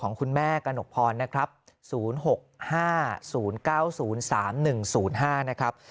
คุณแม่กระหนกพรนะครับ๐๖๕๐๙๐๓๑๐๕นะครับ